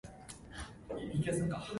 お父さんありがとう